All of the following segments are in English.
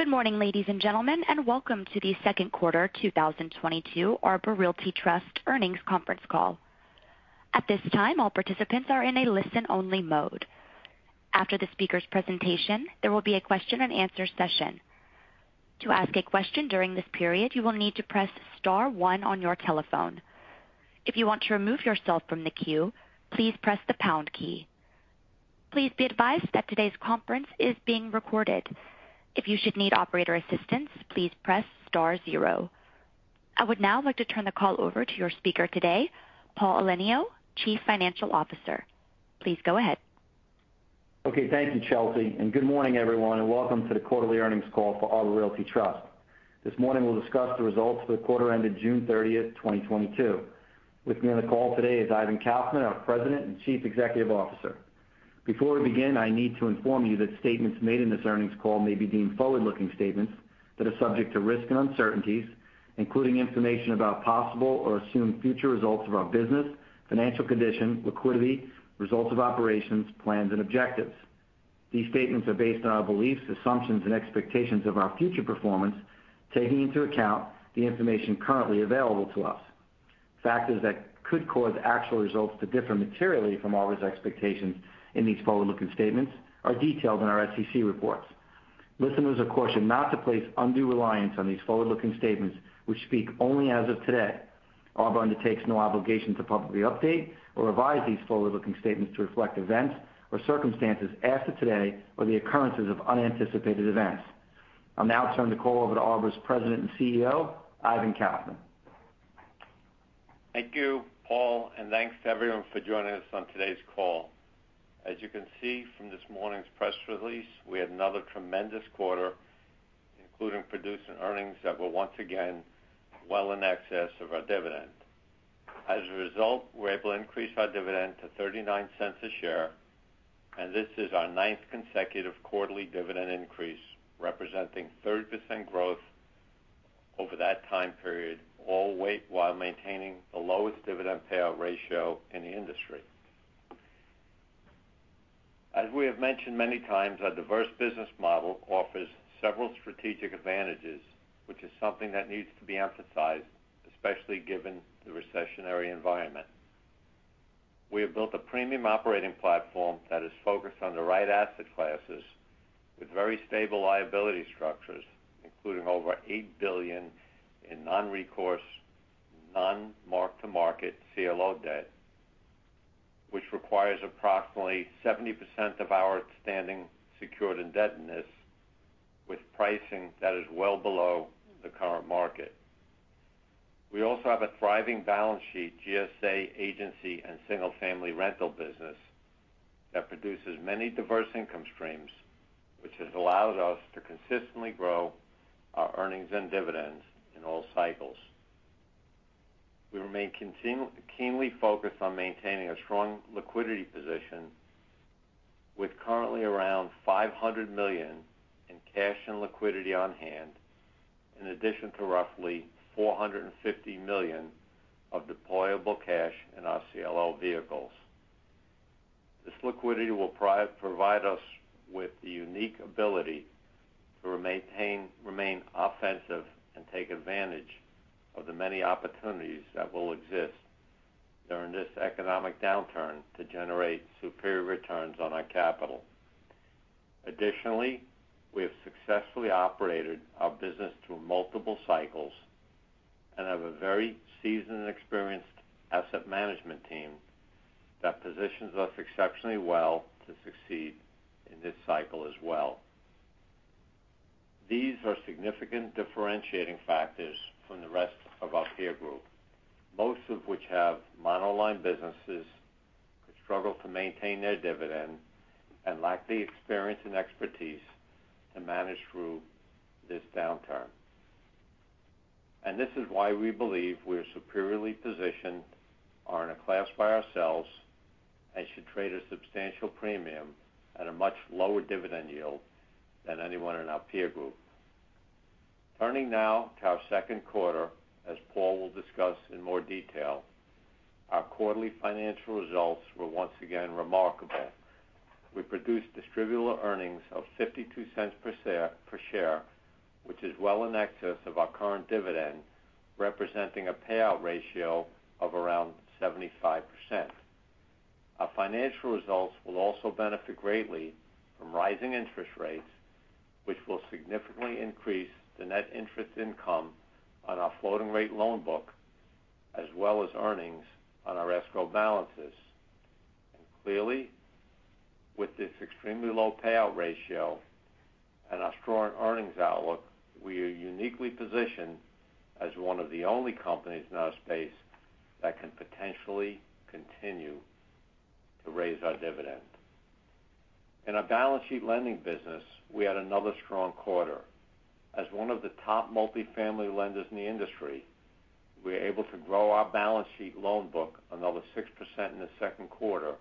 Good morning, ladies and gentlemen, and welcome to the second quarter 2022 Arbor Realty Trust earnings conference call. At this time, all participants are in a listen-only mode. After the speaker's presentation, there will be a question-and-answer session. To ask a question during this period, you will need to press star one on your telephone. If you want to remove yourself from the queue, please press the pound key. Please be advised that today's conference is being recorded. If you should need operator assistance, please press star zero. I would now like to turn the call over to your speaker today, Paul Elenio, Chief Financial Officer. Please go ahead. Okay. Thank you, Chelsea, and good morning, everyone, and welcome to the quarterly earnings call for Arbor Realty Trust. This morning we'll discuss the results for the quarter ended June 30, 2022. With me on the call today is Ivan Kaufman, our President and Chief Executive Officer. Before we begin, I need to inform you that statements made in this earnings call may be deemed forward-looking statements that are subject to risks and uncertainties, including information about possible or assumed future results of our business, financial condition, liquidity, results of operations, plans, and objectives. These statements are based on our beliefs, assumptions, and expectations of our future performance, taking into account the information currently available to us. Factors that could cause actual results to differ materially from Arbor's expectations in these forward-looking statements are detailed in our SEC reports. Listeners are cautioned not to place undue reliance on these forward-looking statements, which speak only as of today. Arbor undertakes no obligation to publicly update or revise these forward-looking statements to reflect events or circumstances after today or the occurrences of unanticipated events. I'll now turn the call over to Arbor's President and CEO, Ivan Kaufman. Thank you, Paul, and thanks to everyone for joining us on today's call. As you can see from this morning's press release, we had another tremendous quarter, including producing earnings that were once again well in excess of our dividend. As a result, we're able to increase our dividend to $0.39 a share, and this is our ninth consecutive quarterly dividend increase, representing 30% growth over that time period, all while maintaining the lowest dividend payout ratio in the industry. As we have mentioned many times, our diverse business model offers several strategic advantages, which is something that needs to be emphasized, especially given the recessionary environment. We have built a premium operating platform that is focused on the right asset classes with very stable liability structures, including over $8 billion in non-recourse, non-mark-to-market CLO debt, which requires approximately 70% of our outstanding secured indebtedness with pricing that is well below the current market. We also have a thriving balance sheet, GSE agency, and single-family rental business that produces many diverse income streams, which has allowed us to consistently grow our earnings and dividends in all cycles. We remain keenly focused on maintaining a strong liquidity position with currently around $500 million in cash and liquidity on hand, in addition to roughly $450 million of deployable cash in our CLO vehicles. This liquidity will provide us with the unique ability to remain offensive and take advantage of the many opportunities that will exist during this economic downturn to generate superior returns on our capital. Additionally, we have successfully operated our business through multiple cycles and have a very seasoned and experienced asset management team that positions us exceptionally well to succeed in this cycle as well. These are significant differentiating factors from the rest of our peer group, most of which have monoline businesses who struggle to maintain their dividend and lack the experience and expertise to manage through this downturn. This is why we believe we're superiorly positioned, are in a class by ourselves, and should trade a substantial premium at a much lower dividend yield than anyone in our peer group. Turning now to our second quarter, as Paul will discuss in more detail, our quarterly financial results were once again remarkable. We produced distributable earnings of $0.52 per share, which is well in excess of our current dividend, representing a payout ratio of around 75%. Our financial results will also benefit greatly from rising interest rates, which will significantly increase the net interest income on our floating-rate loan book, as well as earnings on our escrow balances. Clearly, with this extremely low payout ratio and our strong earnings outlook, we are uniquely positioned as one of the only companies in our space that can potentially continue to raise our dividend. In our balance sheet lending business, we had another strong quarter. As one of the top multifamily lenders in the industry, we're able to grow our balance sheet loan book another 6% in the second quarter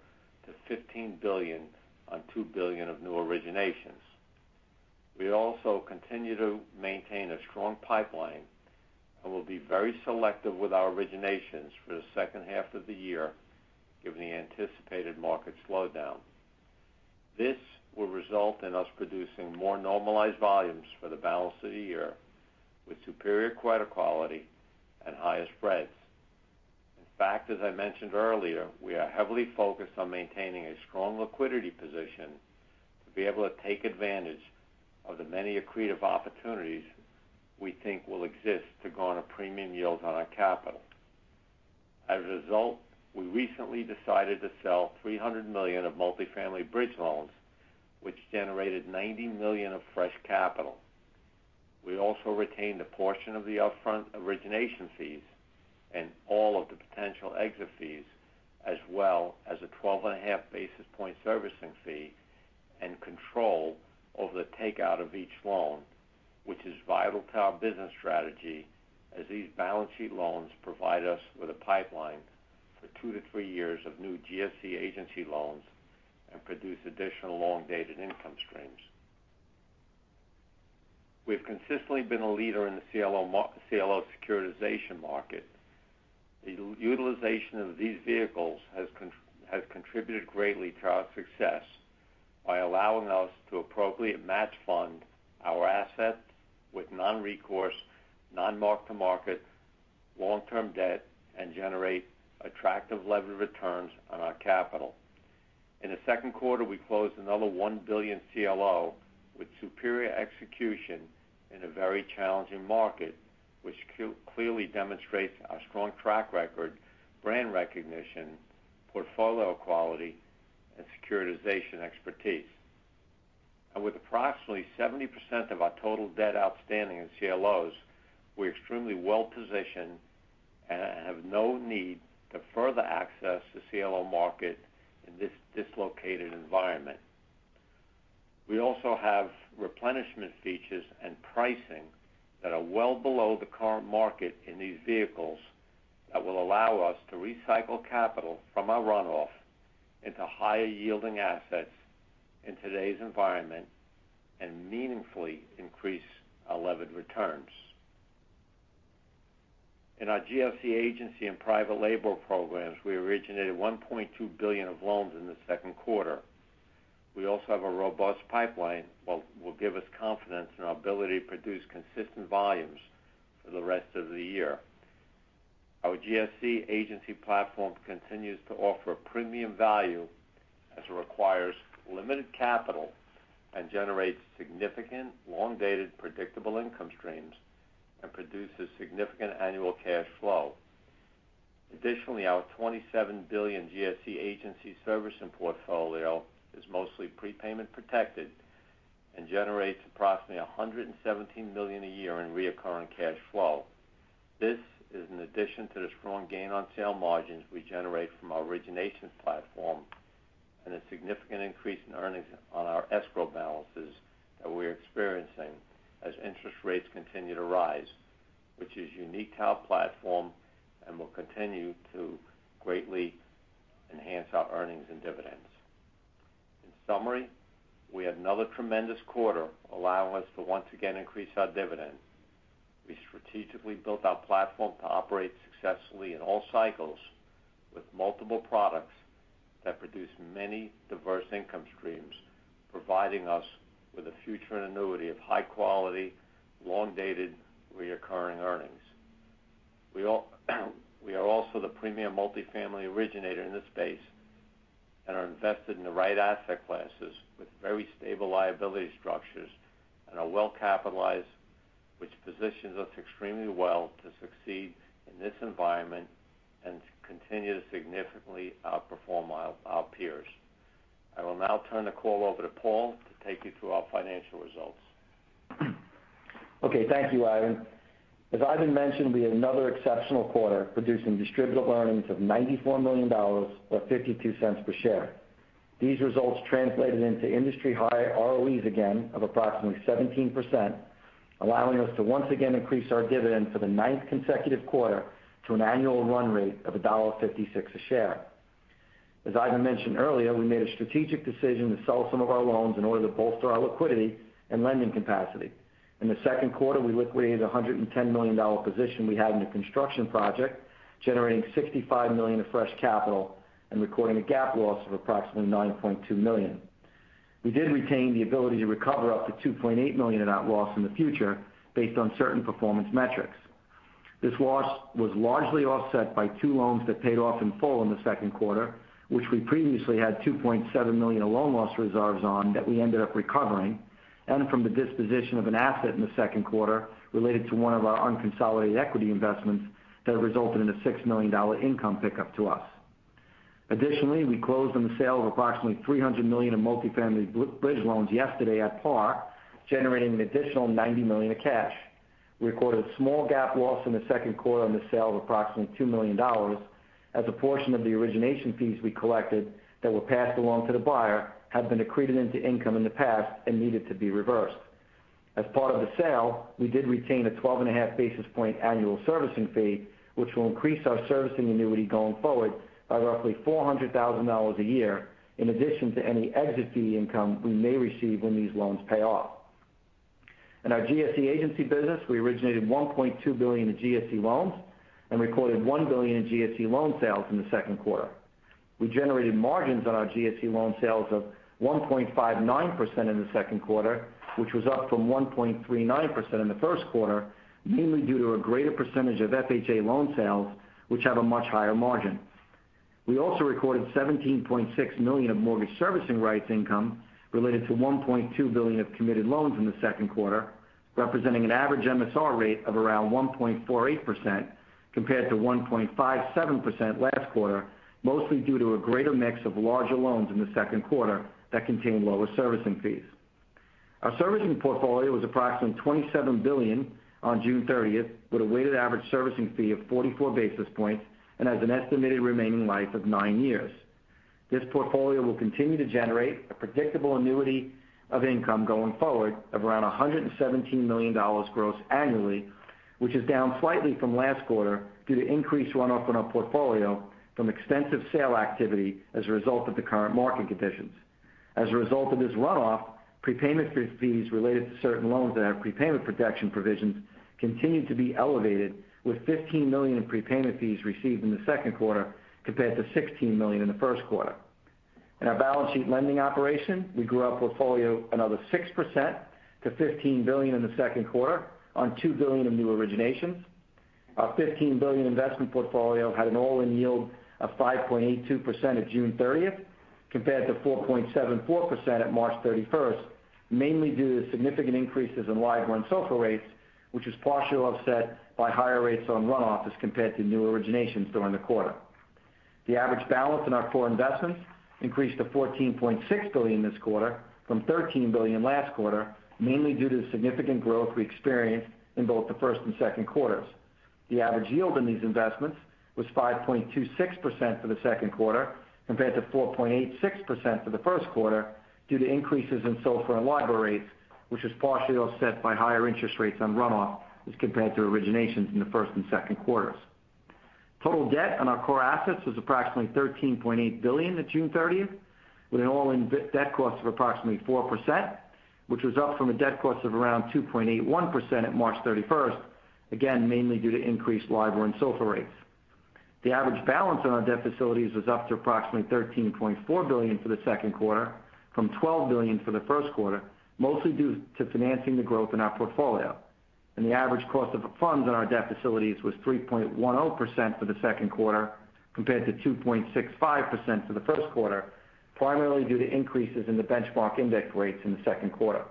to $15 billion on $2 billion of new originations. We also continue to maintain a strong pipeline. We'll be very selective with our originations for the second half of the year given the anticipated market slowdown. This will result in us producing more normalized volumes for the balance of the year with superior credit quality and higher spreads. In fact, as I mentioned earlier, we are heavily focused on maintaining a strong liquidity position to be able to take advantage of the many accretive opportunities we think will exist to go on a premium yield on our capital. As a result, we recently decided to sell $300 million of multifamily bridge loans, which generated $90 million of fresh capital. We also retained a portion of the upfront origination fees and all of the potential exit fees, as well as a 12.5 basis point servicing fee and control over the takeout of each loan, which is vital to our business strategy as these balance sheet loans provide us with a pipeline for two to three years of new GSE agency loans and produce additional long-dated income streams. We've consistently been a leader in the CLO securitization market. The utilization of these vehicles has contributed greatly to our success by allowing us to appropriately match fund our assets with non-recourse, non-mark-to-market, long-term debt, and generate attractive levered returns on our capital. In the second quarter, we closed another $1 billion CLO with superior execution in a very challenging market, which clearly demonstrates our strong track record, brand recognition, portfolio quality, and securitization expertise. With approximately 70% of our total debt outstanding in CLOs, we're extremely well positioned and have no need to further access the CLO market in this dislocated environment. We also have replenishment features and pricing that are well below the current market in these vehicles that will allow us to recycle capital from our runoff into higher-yielding assets in today's environment and meaningfully increase our levered returns. In our GSE agency and private label programs, we originated $1.2 billion of loans in the second quarter. We also have a robust pipeline will give us confidence in our ability to produce consistent volumes for the rest of the year. Our GSE agency platform continues to offer premium value as it requires limited capital and generates significant long-dated, predictable income streams and produces significant annual cash flow. Additionally, our $27 billion GSE agency servicing portfolio is mostly prepayment protected and generates approximately $117 million a year in recurring cash flow. This is in addition to the strong gain on sale margins we generate from our origination platform and a significant increase in earnings on our escrow balances that we're experiencing as interest rates continue to rise, which is unique to our platform and will continue to greatly enhance our earnings and dividends. In summary, we had another tremendous quarter, allowing us to once again increase our dividend. We strategically built our platform to operate successfully in all cycles with multiple products that produce many diverse income streams, providing us with a future annuity of high quality, long-dated, recurring earnings. We are also the premium multifamily originator in this space and are invested in the right asset classes with very stable liability structures and are well capitalized, which positions us extremely well to succeed in this environment and to continue to significantly outperform our peers. I will now turn the call over to Paul to take you through our financial results. Okay. Thank you, Ivan. As Ivan mentioned, we had another exceptional quarter producing distributable earnings of $94 million or $0.52 per share. These results translated into industry-high ROEs of approximately 17%, allowing us to once again increase our dividend for the ninth consecutive quarter to an annual run rate of $1.56 per share. As Ivan mentioned earlier, we made a strategic decision to sell some of our loans in order to bolster our liquidity and lending capacity. In the second quarter, we liquidated a $110 million position we had in a construction project, generating $65 million of fresh capital and recording a GAAP loss of approximately $9.2 million. We did retain the ability to recover up to $2.8 million in that loss in the future based on certain performance metrics. This loss was largely offset by two loans that paid off in full in the second quarter, which we previously had $2.7 million in loan loss reserves on that we ended up recovering, and from the disposition of an asset in the second quarter related to one of our unconsolidated equity investments that resulted in a $6 million income pickup to us. Additionally, we closed on the sale of approximately $300 million in multifamily bridge loans yesterday at par, generating an additional $90 million of cash. We recorded a small GAAP loss in the second quarter on the sale of approximately $2 million as a portion of the origination fees we collected that were passed along to the buyer had been accreted into income in the past and needed to be reversed. As part of the sale, we did retain a 12.5 basis points annual servicing fee, which will increase our servicing annuity going forward by roughly $400,000 a year in addition to any exit fee income we may receive when these loans pay off. In our GSE agency business, we originated $1.2 billion in GSE loans and recorded $1 billion in GSE loan sales in the second quarter. We generated margins on our GSE loan sales of 1.59% in the second quarter, which was up from 1.39% in the first quarter, mainly due to a greater percentage of FHA loan sales, which have a much higher margin. We also recorded $17.6 million of mortgage servicing rights income related to $1.2 billion of committed loans in the second quarter, representing an average MSR rate of around 1.48% compared to 1.57% last quarter, mostly due to a greater mix of larger loans in the second quarter that contain lower servicing fees. Our servicing portfolio was approximately $27 billion on June 30, with a weighted average servicing fee of 44 basis points and has an estimated remaining life of nine years. This portfolio will continue to generate a predictable annuity of income going forward of around $117 million gross annually, which is down slightly from last quarter due to increased runoff in our portfolio from extensive sale activity as a result of the current market conditions. As a result of this runoff, prepayment fees related to certain loans that have prepayment protection provisions continued to be elevated, with $15 million in prepayment fees received in the second quarter compared to $16 million in the first quarter. In our balance sheet lending operation, we grew our portfolio another 6% to $15 billion in the second quarter on $2 billion of new originations. Our $15 billion investment portfolio had an all-in yield of 5.82% at June 30th compared to 4.74% at March 31st, mainly due to significant increases in LIBOR and SOFR rates, which was partially offset by higher rates on runoff as compared to new originations during the quarter. The average balance in our core investments increased to $14.6 billion this quarter from $13 billion last quarter, mainly due to the significant growth we experienced in both the first and second quarters. The average yield in these investments was 5.26% for the second quarter compared to 4.86% for the first quarter due to increases in SOFR and LIBOR rates, which was partially offset by higher interest rates on runoff as compared to originations in the first and second quarters. Total debt on our core assets was approximately $13.8 billion at June 13th, with an all-in debt cost of approximately 4%, which was up from a debt cost of around 2.81% at March 31st, again, mainly due to increased LIBOR and SOFR rates. The average balance on our debt facilities was up to approximately $13.4 billion for the second quarter from $12 billion for the first quarter, mostly due to financing the growth in our portfolio. The average cost of funds on our debt facilities was 3.10% for the second quarter compared to 2.65% for the first quarter, primarily due to increases in the benchmark index rates in the second quarter.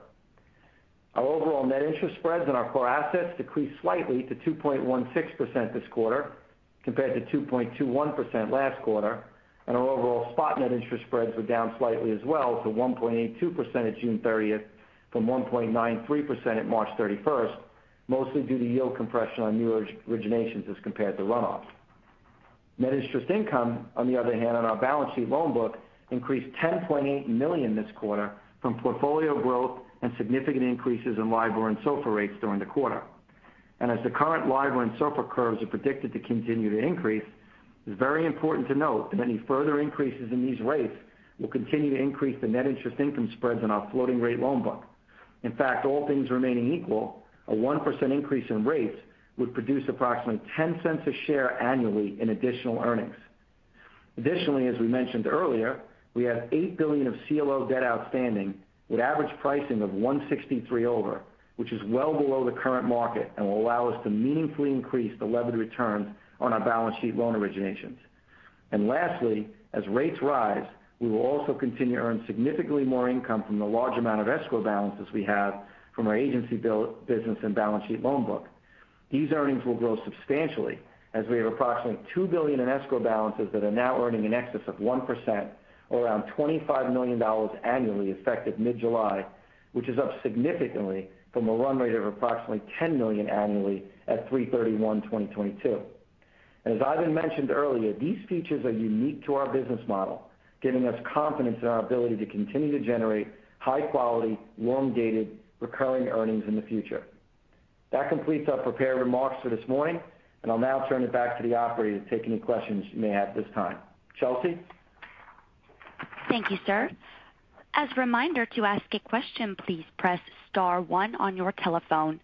Our overall net interest spreads on our core assets decreased slightly to 2.16% this quarter compared to 2.21% last quarter, and our overall spot net interest spreads were down slightly as well to 1.82% at June 30 from 1.93% at March 31, mostly due to yield compression on new originations as compared to runoff. Net interest income, on the other hand, on our balance sheet loan book increased $10.8 million this quarter from portfolio growth and significant increases in LIBOR and SOFR rates during the quarter. As the current LIBOR and SOFR curves are predicted to continue to increase, it's very important to note that any further increases in these rates will continue to increase the net interest income spreads on our floating rate loan book. In fact, all things remaining equal, a 1% increase in rates would produce approximately $0.10 a share annually in additional earnings. Additionally, as we mentioned earlier, we have $8 billion of CLO debt outstanding with average pricing of 163 over, which is well below the current market and will allow us to meaningfully increase the levered returns on our balance sheet loan originations. Lastly, as rates rise, we will also continue to earn significantly more income from the large amount of escrow balances we have from our agency business and balance sheet loan book. These earnings will grow substantially as we have approximately $2 billion in escrow balances that are now earning in excess of 1% or around $25 million annually effective mid-July, which is up significantly from a run rate of approximately $10 million annually at 3/31/2022. As Ivan mentioned earlier, these features are unique to our business model, giving us confidence in our ability to continue to generate high quality, long-dated recurring earnings in the future. That completes our prepared remarks for this morning, and I'll now turn it back to the operator to take any questions you may have at this time. Chelsea? Thank you, sir. As a reminder, to ask a question, please press star one on your telephone.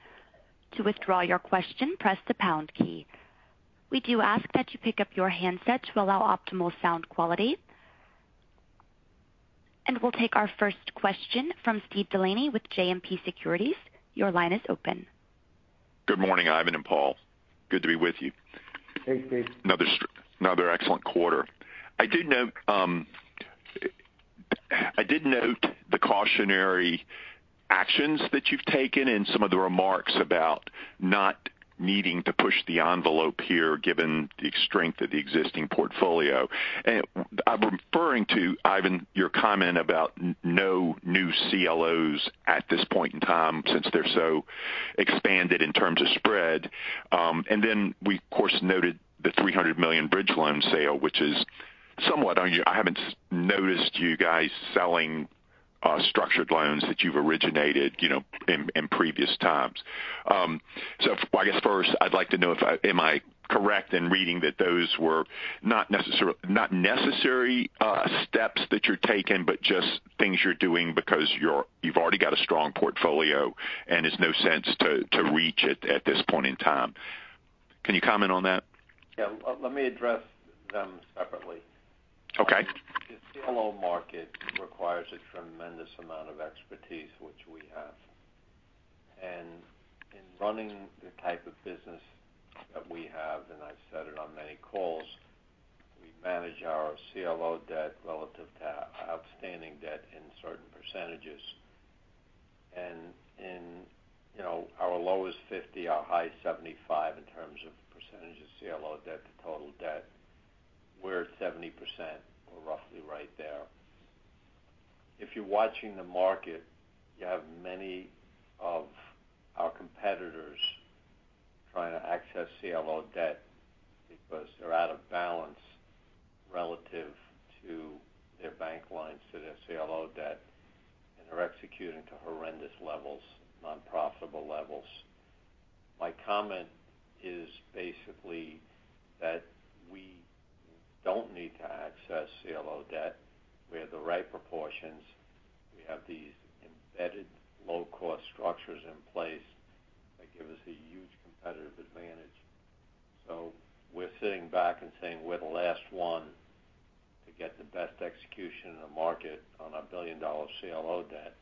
To withdraw your question, press the pound key. We do ask that you pick up your handset to allow optimal sound quality. We'll take our first question from Steve DeLaney with JMP Securities. Your line is open. Good morning, Ivan and Paul. Good to be with you. Hey, Steve. Another excellent quarter. I did note the cautionary actions that you've taken and some of the remarks about not needing to push the envelope here given the strength of the existing portfolio. I'm referring to, Ivan, your comment about no new CLOs at this point in time since they're so expanded in terms of spread. Then we of course noted the $300 million bridge loan sale, which is somewhat unusual. I haven't noticed you guys selling structured loans that you've originated in previous times. I guess first I'd like to know, am I correct in reading that those were not necessary steps that you're taking, but just things you're doing because you've already got a strong portfolio, and it's no sense to reach it at this point in time. Can you comment on that? Yeah. Let me address them separately. Okay. The CLO market requires a tremendous amount of expertise, which we have. In running the type of business that we have, and I've said it on many calls, we manage our CLO debt relative to outstanding debt in certain percentages. In, you know, our lowest 50, our highest 75 in terms of percentage of CLO debt to total debt, we're at 70% or roughly right there. If you're watching the market, you have many of our competitors trying to access CLO debt because they're out of balance relative to their bank lines to their CLO debt, and they're executing to horrendous levels, non-profitable levels. My comment is basically that we don't need to access CLO debt. We have the right proportions. We have these embedded low-cost structures in place that give us a huge competitive advantage. We're sitting back and saying we're the last one to get the best execution in the market on a billion-dollar CLO debt.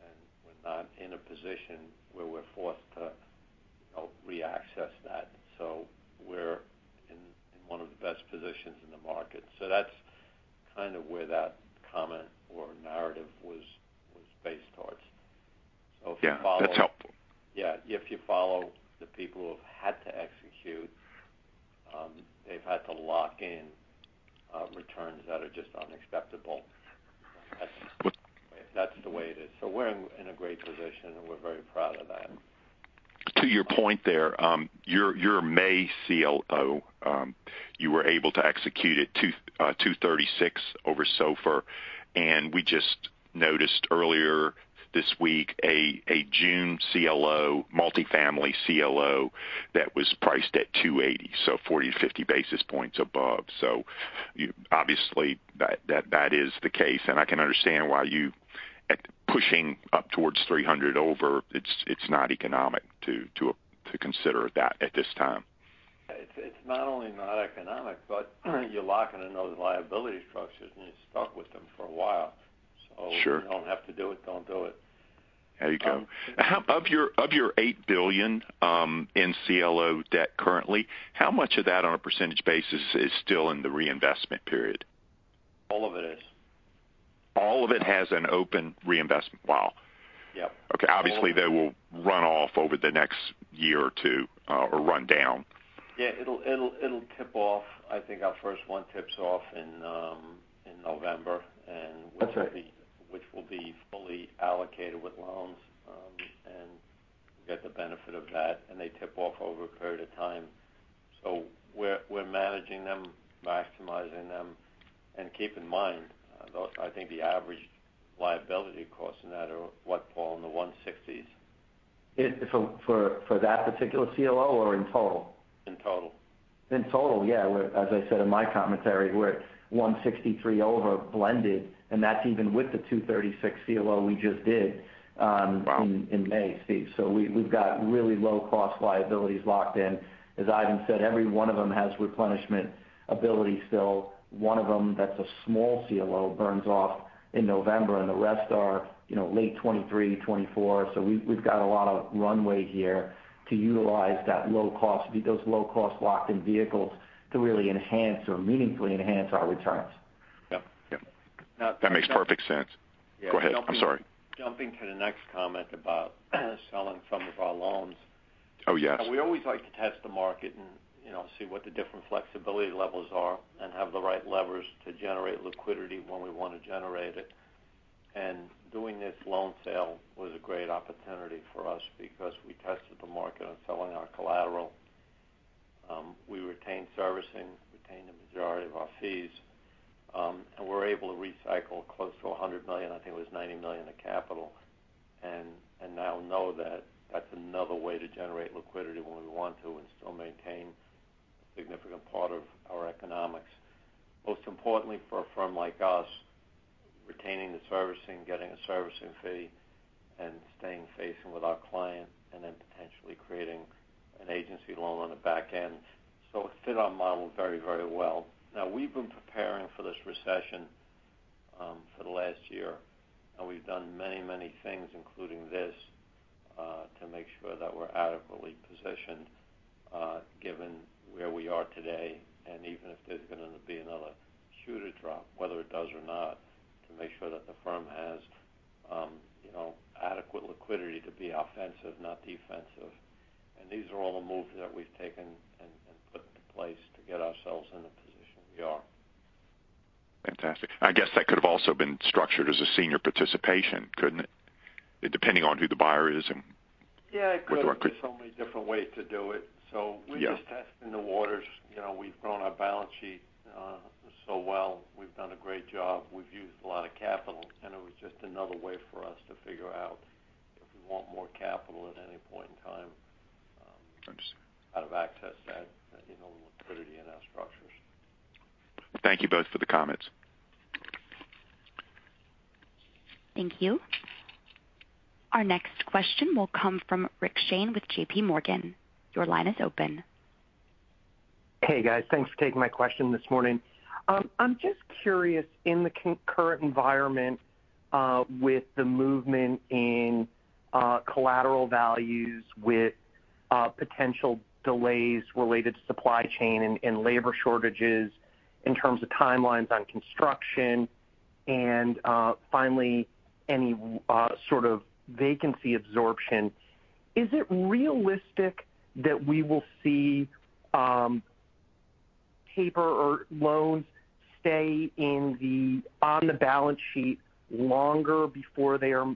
We're not in a position where we're forced to, you know, reaccess that. We're in one of the best positions in the market. That's kind of where that comment or narrative was based towards. If you follow- Yeah. That's helpful. Yeah. If you follow the people who have had to execute, they've had to lock in returns that are just unacceptable. That's the way it is. We're in a great position, and we're very proud of that. To your point there, your May CLO, you were able to execute it 236 over SOFR. We just noticed earlier this week a June CLO, multifamily CLO that was priced at 280, so 40-50 basis points above. Obviously, that is the case. I can understand why you pushing up towards 300 over, it's not economic to consider that at this time. It's not only not economic, but you're locking in those liability structures, and you're stuck with them for a while. Sure. If you don't have to do it, don't do it. There you go. Of your $8 billion in CLO debt currently, how much of that on a percentage basis is still in the reinvestment period? All of it is. All of it has an open reinvestment. Wow. Yeah. Okay. Obviously, they will run off over the next year or two, or run down. Yeah. It'll tip off. I think our first one tips off in November and- That's right. -which will be fully allocated with loans, and get the benefit of that, and they taper off over a period of time. We're managing them, maximizing them. Keep in mind, those, I think the average liability costs in that are what, Paul, in the 160s. For that particular CLO or in total? In total. In total, yeah. As I said in my commentary, we're at 163 over blended, and that's even with the 236 CLO we just did. Wow. In May, Steve. We've got really low cost liabilities locked in. As Ivan said, every one of them has replenishment ability still. One of them that's a small CLO burns off in November, and the rest are, you know, late 2023, 2024. We've got a lot of runway here to utilize that low cost with those low cost locked in vehicles to really enhance or meaningfully enhance our returns. Yep. Yep. That makes perfect sense. Go ahead. I'm sorry. Jumping to the next comment about selling some of our loans. Oh, yes. We always like to test the market and, you know, see what the different flexibility levels are and have the right levers to generate liquidity when we want to generate it. Doing this loan sale was a great opportunity for us because we tested the market on selling our collateral. We retained servicing, retained the majority of our fees, and we're able to recycle close to $100 million, I think it was $90 million in capital. We now know that that's another way to generate liquidity when we want to and still maintain a significant part of our economics. Most importantly for a firm like us, retaining the servicing, getting a servicing fee, and staying facing with our client, and then potentially creating an agency loan on the back end. It fit our model very, very well. Now we've been preparing for this recession for the last year, and we've done many, many things, including this, to make sure that we're adequately positioned, given where we are today. Even if there's gonna be another shoe to drop, whether it does or not, to make sure that the firm has, you know, adequate liquidity to be offensive, not defensive. These are all the moves that we've taken and put in place to get ourselves in the position we are. Fantastic. I guess that could have also been structured as a senior participation, couldn't it? Depending on who the buyer is and- Yeah, it could. There's so many different ways to do it. Yeah. We're just testing the waters. You know, we've grown our balance sheet so well. We've done a great job. We've used a lot of capital, and it was just another way for us to figure out if we want more capital at any point in time to have access to that, you know, liquidity in our structures. Thank you both for the comments. Thank you. Our next question will come from Rich Shane with JPMorgan. Your line is open. Hey, guys. Thanks for taking my question this morning. I'm just curious, in the current environment, with the movement in collateral values with potential delays related to supply chain and labor shortages in terms of timelines on construction and finally any sort of vacancy absorption. Is it realistic that we will see paper or loans stay on the balance sheet longer before they are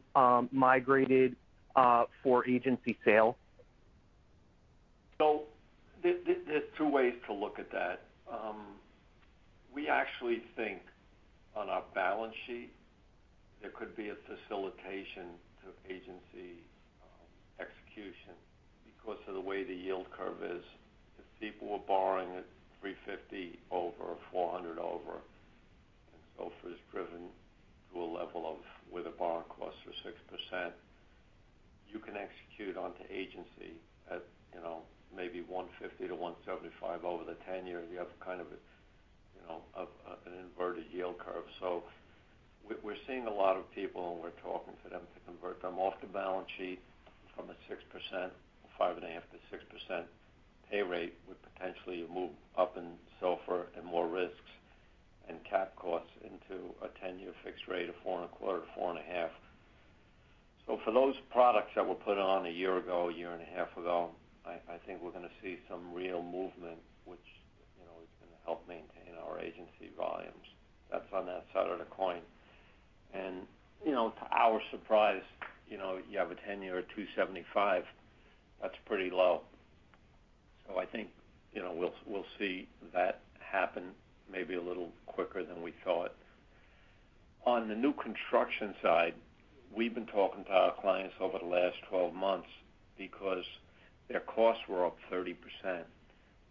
migrated for agency sale? There's two ways to look at that. We actually think on our balance sheet there could be a facilitation to agency execution because of the way the yield curve is. If people were borrowing at 350 over or 400 over, and SOFR is driven to a level of where the borrowing costs are 6%. You can execute onto agency at you know maybe 150 to 175 over the 10-year. You have kind of a you know an inverted yield curve. We're seeing a lot of people, and we're talking to them to convert them off the balance sheet from a 6%, or 5.5%-6% pay rate, would potentially move up in SOFR and more risks and cap costs into a 10-year fixed rate of 4.25-4.5. For those products that were put on a year ago, a year and a half ago, I think we're gonna see some real movement which, you know, is gonna help maintain our agency volumes. That's on that side of the coin. You know, to our surprise, you know, you have a 10-year at 2.75, that's pretty low. I think, you know, we'll see that happen maybe a little quicker than we thought. On the new construction side, we've been talking to our clients over the last 12 months because their costs were up 30%. Now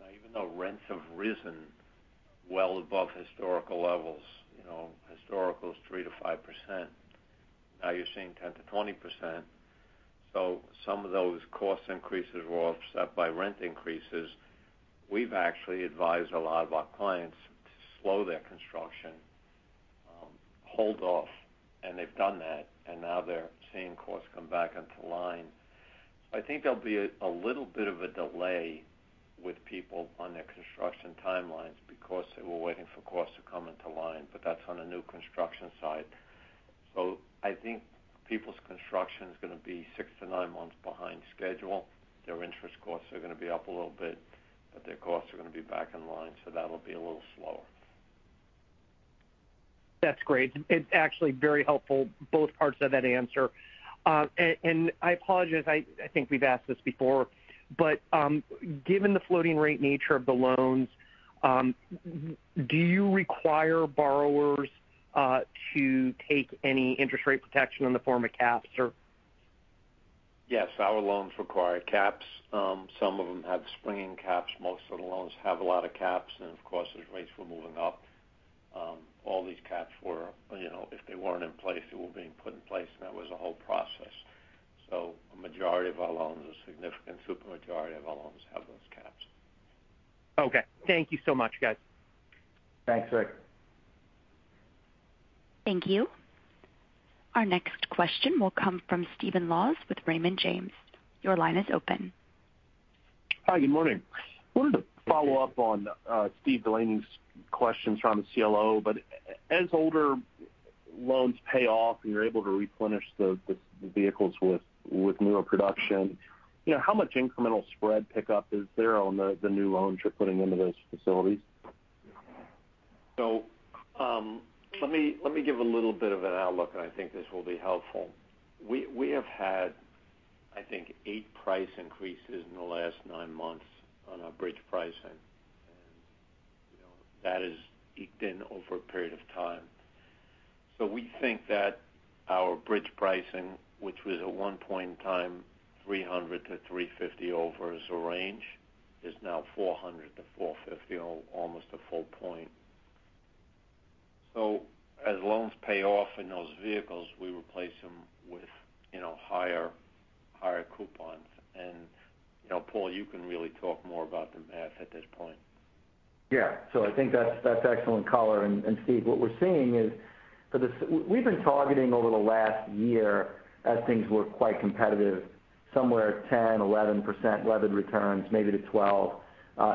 even though rents have risen well above historical levels, you know, historical is 3%-5%. Now you're seeing 10%-20%. Some of those cost increases were offset by rent increases. We've actually advised a lot of our clients to slow their construction, hold off, and they've done that, and now they're seeing costs come back into line. I think there'll be a little bit of a delay with people on their construction timelines because they were waiting for costs to come into line, but that's on the new construction side. I think people's construction is gonna be six to nine months behind schedule. Their interest costs are gonna be up a little bit, but their costs are gonna be back in line, so that'll be a little slower. That's great. It's actually very helpful, both parts of that answer. I apologize, I think we've asked this before, but given the floating rate nature of the loans, do you require borrowers to take any interest rate protection in the form of caps or? Yes, our loans require caps. Some of them have springing caps. Most of the loans have a lot of caps. Of course, as rates were moving up, all these caps were, you know, if they weren't in place, they were being put in place, and that was a whole process. A majority of our loans, a significant super majority of our loans have those caps. Okay. Thank you so much, guys. Thanks, Rick. Thank you. Our next question will come from Stephen Laws with Raymond James. Your line is open. Hi. Good morning. Good morning. Wanted to follow up on Steve DeLaney's questions around the CLO. As older loans pay off and you're able to replenish the vehicles with newer production, you know, how much incremental spread pickup is there on the new loans you're putting into those facilities? Let me give a little bit of an outlook, and I think this will be helpful. We have had, I think, 8 price increases in the last nine months on our bridge pricing. You know, that is eked in over a period of time. We think that our bridge pricing, which was at one point in time 300-350 over as a range, is now 400-450, or almost a full point. As loans pay off in those vehicles, we replace them with, you know, higher coupons. You know, Paul, you can really talk more about the math at this point. I think that's excellent color. Steve, what we're seeing is we've been targeting over the last year as things were quite competitive, somewhere 10%-11% levered returns, maybe to 12%.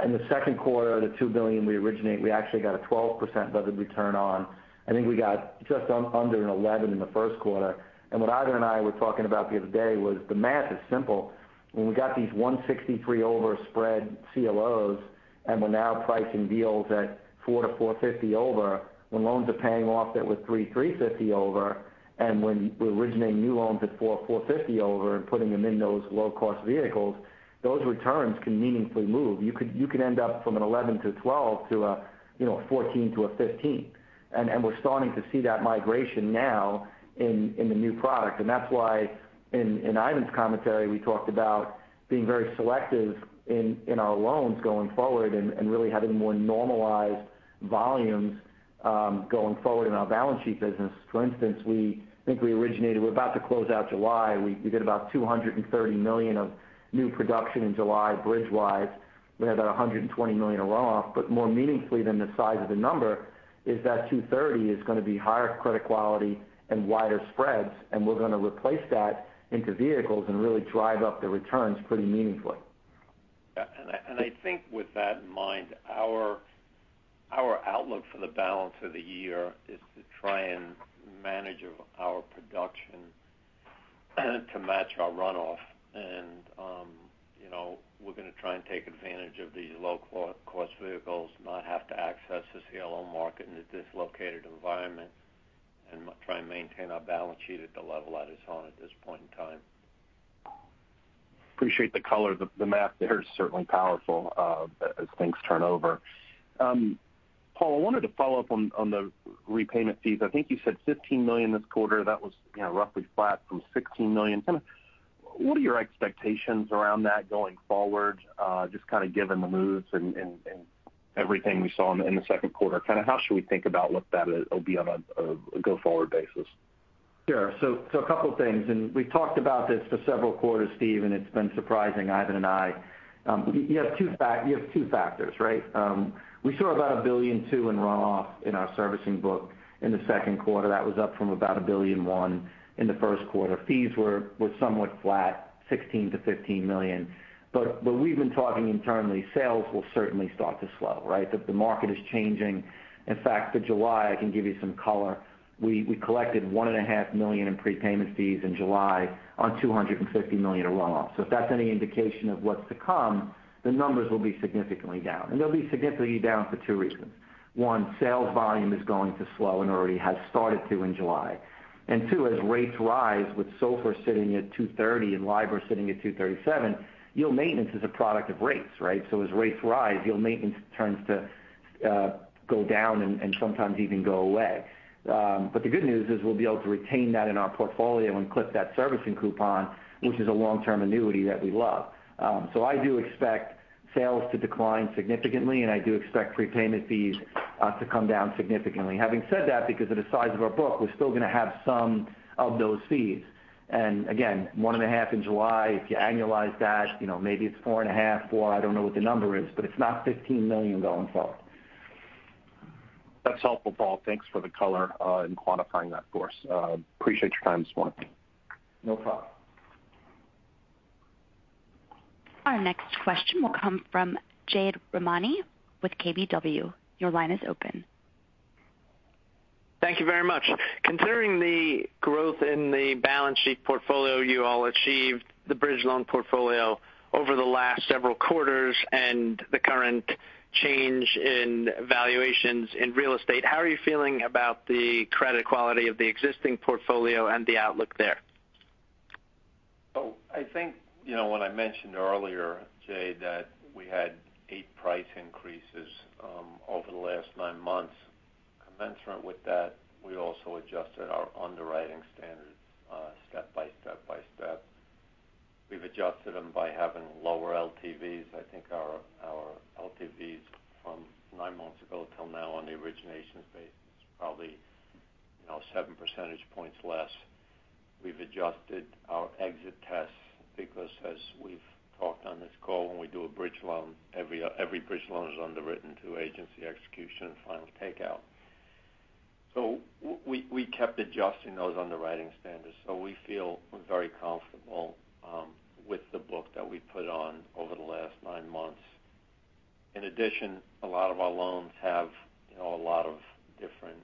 In the second quarter, the $2 billion we originate, we actually got a 12% levered return on. I think we got just under an 11% in the first quarter. What Ivan and I were talking about the other day was the math is simple. When we got these 163 over spread CLOs, and we're now pricing deals at 4-4.50 over, when loans are paying off that were 3-3.50 over, and when we're originating new loans at 4-4.50 over and putting them in those low cost vehicles, those returns can meaningfully move. You could end up from an 11% to a 12% to a, you know, a 14% to a 15%. We're starting to see that migration now in the new product. That's why in Ivan's commentary, we talked about being very selective in our loans going forward and really having more normalized volumes, going forward in our balance sheet business, for instance, we're about to close out July. We did about $230 million of new production in July bridge-wise. We had about $120 million in runoff. But more meaningfully than the size of the number is that 230 is gonna be higher credit quality and wider spreads, and we're gonna replace that into vehicles and really drive up the returns pretty meaningfully. Yeah. I think with that in mind, our outlook for the balance of the year is to try and manage our production to match our runoff. You know, we're gonna try and take advantage of these low cost vehicles, not have to access the CLO market in a dislocated environment and try and maintain our balance sheet at the level that it's on at this point in time. Appreciate the color. The math there is certainly powerful, as things turn over. Paul, I wanted to follow up on the repayment fees. I think you said $15 million this quarter. That was, you know, roughly flat from $16 million. Kinda what are your expectations around that going forward, just kinda given the moves and everything we saw in the second quarter? Kinda how should we think about what that is? It'll be on a go-forward basis? Sure. So a couple things, and we've talked about this for several quarters, Steve, and it's been surprising Ivan and I. You have two factors, right? We saw about $1.2 billion in runoff in our servicing book in the second quarter. That was up from about $1.1 billion in the first quarter. Fees were somewhat flat, $16 million-$15 million. What we've been talking internally, sales will certainly start to slow, right? The market is changing. In fact, for July, I can give you some color. We collected $1.5 million in prepayment fees in July on $250 million in runoff. If that's any indication of what's to come, the numbers will be significantly down. They'll be significantly down for two reasons. One, sales volume is going to slow and already has started to in July. Two, as rates rise with SOFR sitting at 2.30 and LIBOR sitting at 2.37, yield maintenance is a product of rates, right? As rates rise, yield maintenance tends to go down and sometimes even go away. The good news is we'll be able to retain that in our portfolio and clip that servicing coupon, which is a long-term annuity that we love. I do expect sales to decline significantly, and I do expect prepayment fees to come down significantly. Having said that, because of the size of our book, we're still gonna have some of those fees. Again, 1.5 in July. If you annualize that, you know, maybe it's 4.5, 4. I don't know what the number is, but it's not $15 million going forward. That's helpful, Paul. Thanks for the color, in quantifying that for us. Appreciate your time this morning. No problem. Our next question will come from Jade Rahmani with KBW. Your line is open. Thank you very much. Considering the growth in the balance sheet portfolio you all achieved, the bridge loan portfolio over the last several quarters and the current change in valuations in real estate, how are you feeling about the credit quality of the existing portfolio and the outlook there? I think, you know, when I mentioned earlier, Jade, that we had 8 price increases over the last nine months. Commensurate with that, we also adjusted our underwriting standards step by step. We've adjusted them by having lower LTVs. I think our LTVs from nine months ago till now on the originations base is probably, you know, 7 percentage points less. We've adjusted our exit tests because as we've talked on this call, when we do a bridge loan, every bridge loan is underwritten to agency execution and final takeout. We kept adjusting those underwriting standards. We feel very comfortable with the book that we put on over the last nine months. In addition, a lot of our loans have a lot of different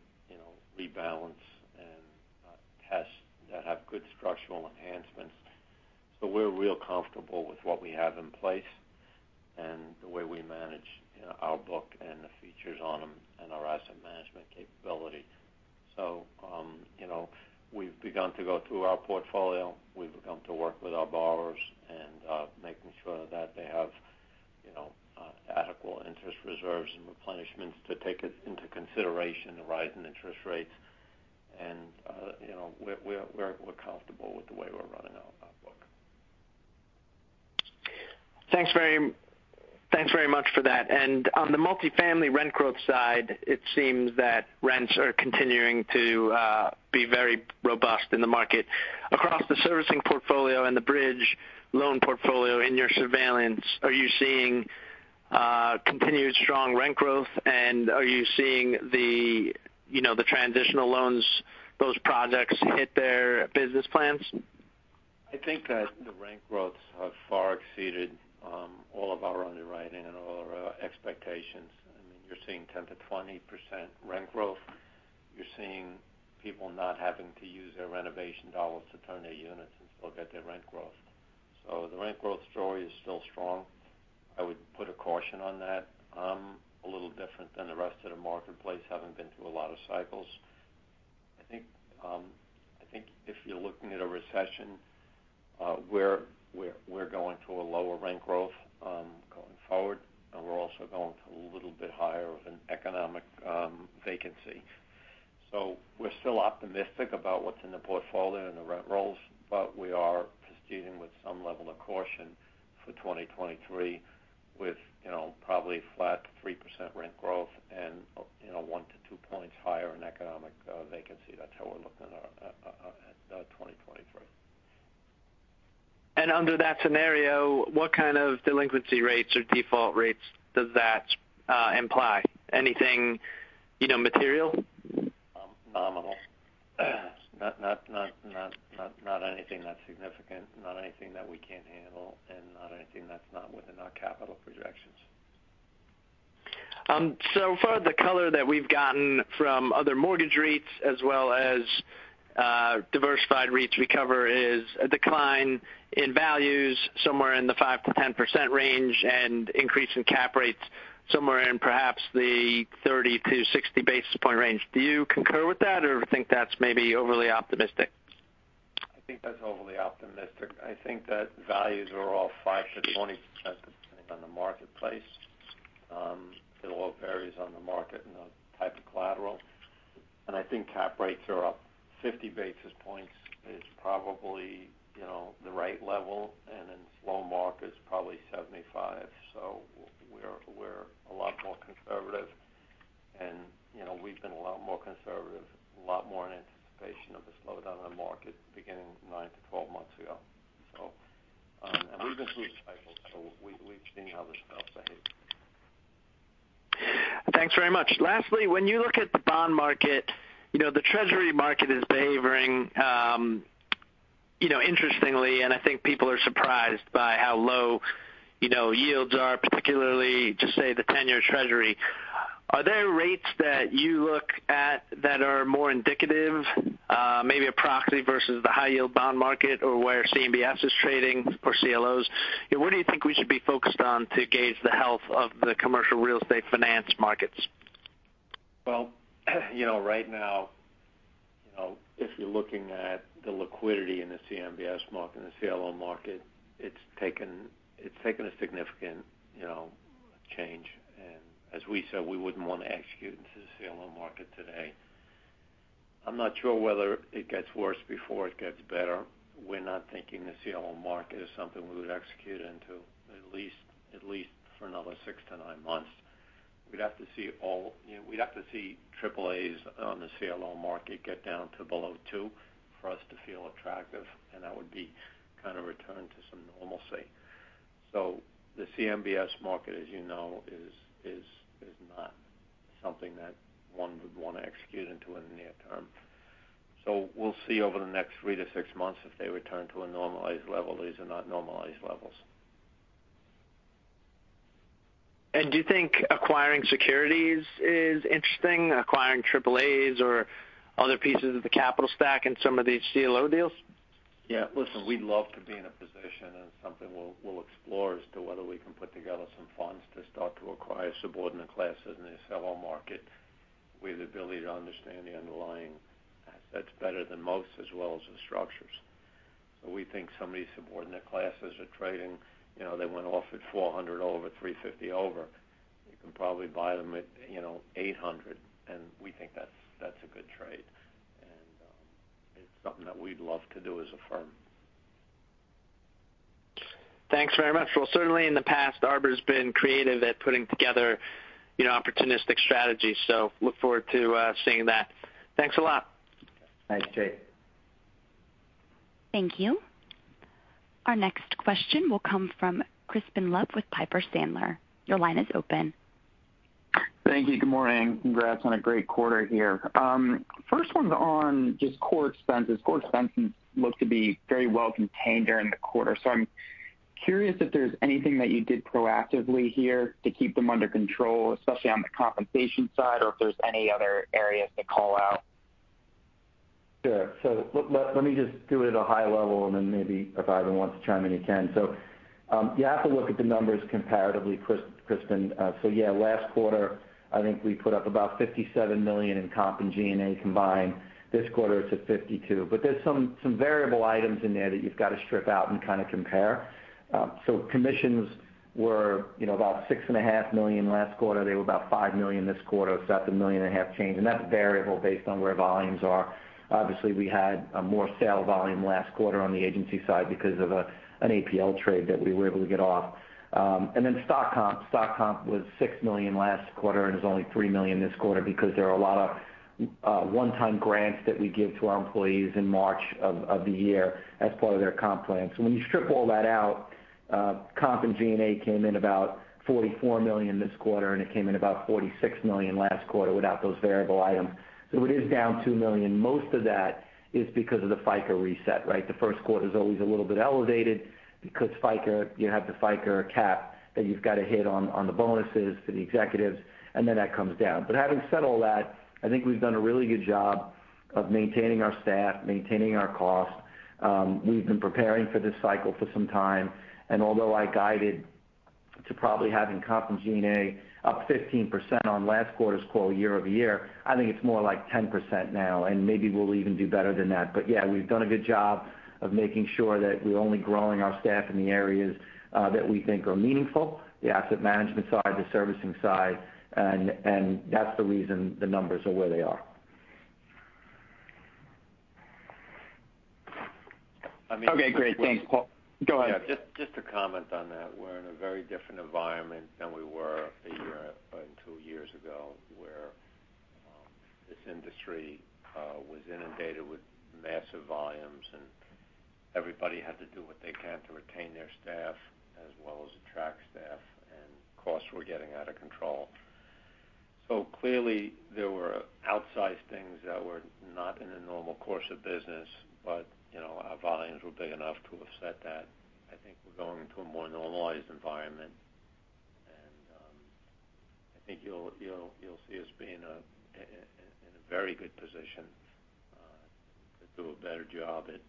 rebalance and tests that have good structural enhancements. We're real comfortable with what we have in place and the way we manage, you know, our book and the features on them and our asset management capability. We've begun to go through our portfolio. We've begun to work with our borrowers and making sure that they have, you know, adequate interest reserves and replenishments to take into consideration the rise in interest rates. We're comfortable with the way we're running our book. Thanks very much for that. On the multifamily rent growth side, it seems that rents are continuing to be very robust in the market. Across the servicing portfolio and the bridge loan portfolio in your surveillance, are you seeing continued strong rent growth? Are you seeing the, you know, the transitional loans, those projects hit their business plans? I think that the rent growths have far exceeded, all of our underwriting and all of our expectations. I mean, you're seeing 10%-20% rent growth. You're seeing people not having to use their renovation dollars to turn their units and still get their rent growth. The rent growth story is still strong. I would put a caution on that. A little different than the rest of the marketplace, having been through a lot of cycles. I think if you're looking at a recession, we're going to a lower rent growth, going forward, and we're also going to a little bit higher of an economic vacancy. So we're still optimistic about what's in the portfolio and the rent rolls, but we are proceeding with some level of caution for 2023 with, you know, probably flat 3% rent growth and, you know, 1-2 points higher in economic vacancy. That's how we're looking at 2023. Under that scenario, what kind of delinquency rates or default rates does that imply? Anything, you know, material? Nominal. Not anything that's significant, not anything that we can't handle, and not anything that's not within our capital projections. So far, the color that we've gotten from other mortgage REITs as well as diversified REITs we cover is a decline in values somewhere in the 5%-10% range and increase in cap rates somewhere in perhaps the 30-60 basis points range. Do you concur with that or think that's maybe overly optimistic? I think that's overly optimistic. I think that values are all 5%-20%, depending on the marketplace. It all varies on the market and the type of collateral. I think cap rates are up 50 basis points is probably, you know, the right level, and in slow markets, probably 75. We're a lot more conservative. You know, we've been a lot more conservative, a lot more in anticipation of the slowdown in the market beginning 9-12 months ago. We've been through the cycle, so we've seen how this now behaves. Thanks very much. Lastly, when you look at the bond market, you know, the Treasury market is behaving, you know, interestingly, and I think people are surprised by how low, you know, yields are, particularly to, say, the 10-year Treasury. Are there rates that you look at that are more indicative, maybe a proxy versus the high-yield bond market or where CMBS is trading or CLOs? Where do you think we should be focused on to gauge the health of the commercial real estate finance markets? Well, you know, right now, you know, if you're looking at the liquidity in the CMBS market and the CLO market, it's taken a significant, you know, change. As we said, we wouldn't want to execute into the CLO market today. I'm not sure whether it gets worse before it gets better. We're not thinking the CLO market is something we would execute into at least for another six to nine months. We'd have to see. You know, we'd have to see Triple-A's on the CLO market get down to below 2 for us to feel attractive, and that would be kind of return to some normalcy. The CMBS market, as you know, is not something that one would want to execute into in the near term. We'll see over the next three to six months if they return to a normalized level. These are not normalized levels. Do you think acquiring securities is interesting, acquiring Triple-A or other pieces of the capital stack in some of these CLO deals? Yeah. Listen, we'd love to be in a position, and it's something we'll explore as to whether we can put together some funds to start to acquire subordinate classes in the CLO market. We have the ability to understand the underlying assets better than most as well as the structures. So we think some of these subordinate classes are trading, you know, they went off at 400 over 350 over. You can probably buy them at, you know, 800, and we think that's a good trade. It's something that we'd love to do as a firm. Thanks very much. Well, certainly in the past, Arbor's been creative at putting together, you know, opportunistic strategies, so look forward to seeing that. Thanks a lot. Thanks, Jade. Thank you. Our next question will come from Crispin Love with Piper Sandler. Your line is open. Thank you. Good morning. Congrats on a great quarter here. First one's on just core expenses. Core expenses look to be very well contained during the quarter. I'm curious if there's anything that you did proactively here to keep them under control, especially on the compensation side, or if there's any other areas to call out. Sure. Let me just do it at a high level and then maybe if Ivan wants to chime in, he can. You have to look at the numbers comparatively, Crispin. Last quarter, I think we put up about $57 million in comp and G&A combined. This quarter it's at $52 million. But there's some variable items in there that you've got to strip out and kind of compare. Commissions were, you know, about $6.5 million last quarter. They were about $5 million this quarter. That's a $1.5 million change. And that's variable based on where volumes are. Obviously, we had more sales volume last quarter on the agency side because of an APL trade that we were able to get off. Then stock comp. Stock comp was $6 million last quarter, and it's only $3 million this quarter because there are a lot of one-time grants that we give to our employees in March of the year as part of their comp plans. When you strip all that out, comp and G&A came in about $44 million this quarter, and it came in about $46 million last quarter without those variable items. It is down $2 million. Most of that is because of the FICA reset, right? The first quarter's always a little bit elevated because FICA, you have the FICA cap that you've got to hit on the bonuses for the executives, and then that comes down. Having said all that, I think we've done a really good job of maintaining our staff, maintaining our costs. We've been preparing for this cycle for some time. Although I guided to probably having comp and G&A up 15% on last quarter's call year-over-year, I think it's more like 10% now, and maybe we'll even do better than that. Yeah, we've done a good job of making sure that we're only growing our staff in the areas that we think are meaningful, the asset management side, the servicing side, and that's the reason the numbers are where they are. Okay, great. Thanks, Paul. Go ahead. Yeah. Just to comment on that. We're in a very different environment than we were a year and two years ago, where this industry was inundated with massive volumes, and everybody had to do what they can to retain their staff as well as attract staff, and costs were getting out of control. Clearly, there were outsized things that were not in the normal course of business. You know, our volumes were big enough to offset that. I think we're going into a more normalized environment. I think you'll see us be in a very good position to do a better job at,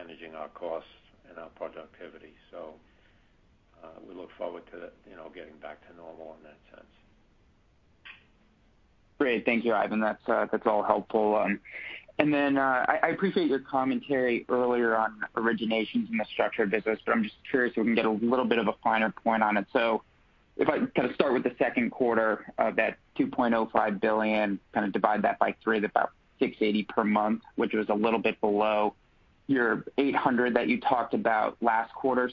you know, managing our costs and our productivity. We look forward to, you know, getting back to normal in that sense. Great. Thank you, Ivan. That's all helpful. I appreciate your commentary earlier on originations in the structured business. I'm just curious if we can get a little bit of a finer point on it. If I kinda start with the second quarter, that $2.05 billion, kind of divide that by three, is about $680 million per month, which was a little bit below your 800 that you talked about last quarter.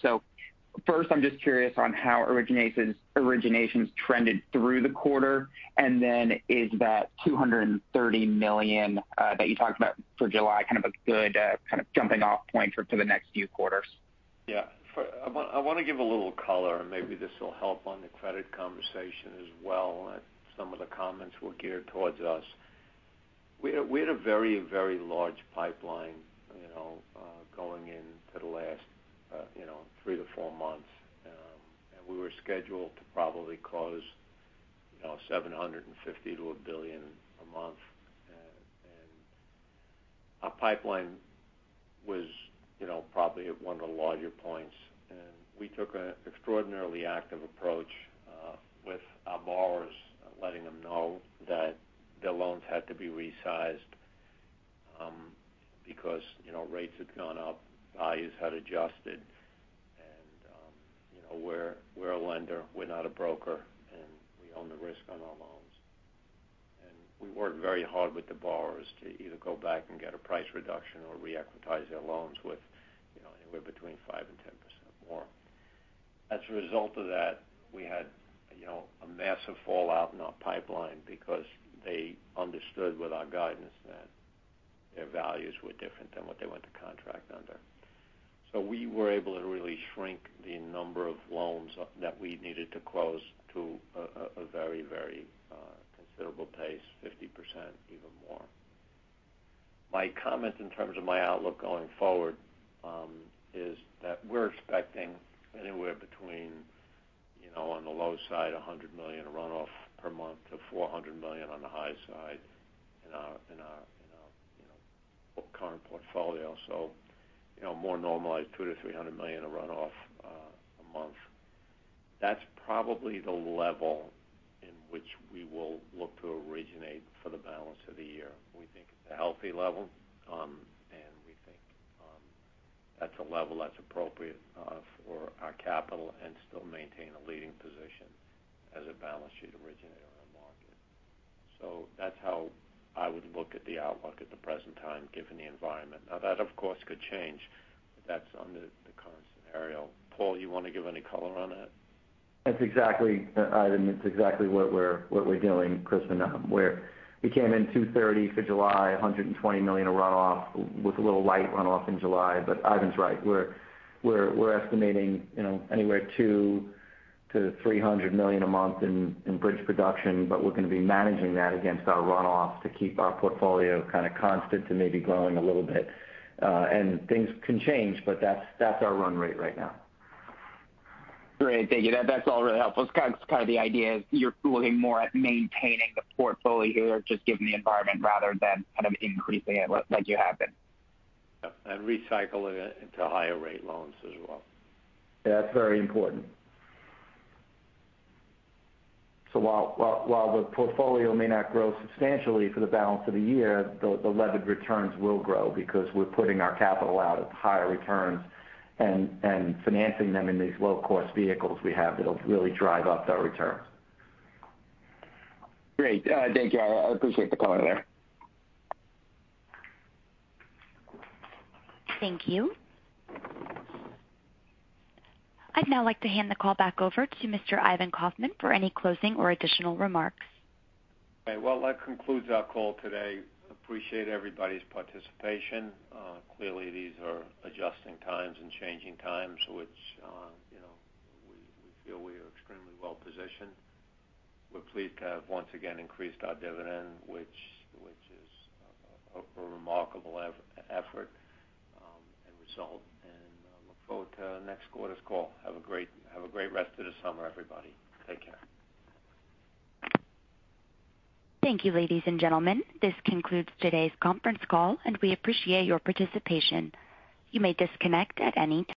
First, I'm just curious on how originations trended through the quarter. Then is that $230 million, that you talked about for July kind of a good, kind of jumping off point for the next few quarters? Yeah. I wanna give a little color, and maybe this will help on the credit conversation as well, as some of the comments were geared towards us. We had a very, very large pipeline, you know, going into the last, you know, 3-4 months. We were scheduled to probably close, you know, $750 million-$1 billion a month. Our pipeline was, you know, probably at one of the larger points. We took a extraordinarily active approach with our borrowers, letting them know that their loans had to be resized because, you know, rates had gone up, values had adjusted. You know, we're a lender, we're not a broker, and we own the risk on our loans. We worked very hard with the borrowers to either go back and get a price reduction or re-equitize their loans with, you know, anywhere between 5%-10% more. As a result of that, we had, you know, a massive fallout in our pipeline because they understood with our guidance that their values were different than what they went to contract under. We were able to really shrink the number of loans that we needed to close to a very considerable pace, 50%, even more. My comment in terms of my outlook going forward is that we're expecting anywhere between, you know, on the low side, $100 million of runoff per month, to $400 million on the high side in our current portfolio. You know, more normalized, $200 million-$300 million of runoff a month. That's probably the level in which we will look to originate for the balance of the year. We think it's a healthy level. We think that's a level that's appropriate for our capital and still maintain a leading position as a balance sheet originator in the market. That's how I would look at the outlook at the present time, given the environment. Now, that of course could change. That's under the current scenario. Paul, you wanna give any color on that? That's exactly, Ivan, that's exactly what we're doing, Crispin, and where we came in 230 for July, $120 million of runoff with a little light runoff in July. Ivan's right. We're estimating, you know, anywhere $200 million-$300 million a month in bridge production. We're gonna be managing that against our runoff to keep our portfolio kind of constant and maybe growing a little bit. Things can change, but that's our run rate right now. Great. Thank you. That's all really helpful. It's kind of the idea is you're looking more at maintaining the portfolio here, just given the environment rather than kind of increasing it like you have been. Yeah. Recycle it into higher rate loans as well. Yeah. That's very important. While the portfolio may not grow substantially for the balance of the year, the levered returns will grow because we're putting our capital out at higher returns and financing them in these low cost vehicles we have. It'll really drive up our returns. Great. Thank you. I appreciate the color there. Thank you. I'd now like to hand the call back over to Mr. Ivan Kaufman for any closing or additional remarks. Okay. Well, that concludes our call today. Appreciate everybody's participation. Clearly, these are adjusting times and changing times which we feel we are extremely well-positioned. We're pleased to have once again increased our dividend, which is a remarkable effort and result. Look forward to next quarter's call. Have a great rest of the summer, everybody. Take care. Thank you, ladies and gentlemen. This concludes today's conference call, and we appreciate your participation. You may disconnect at any time.